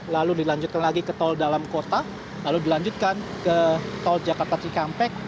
lalu dilanjutkan lagi ke tol dalam kota lalu dilanjutkan ke tol jakarta cikampek